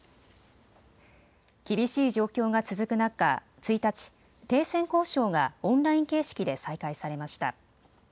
厳しい状況が続く中、１日、停戦交渉がオンライン形式で再開されました。